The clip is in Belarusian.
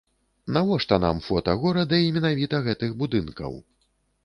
Навошта нам фота горада і менавіта гэтых будынкаў?